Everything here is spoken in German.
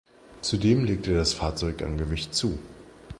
Zudem legte das Fahrzeug an Gewicht zu.